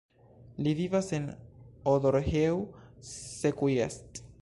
Li vivas en Odorheiu Secuiesc.